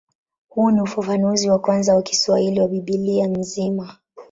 Huu ni ufafanuzi wa kwanza wa Kiswahili wa Biblia nzima.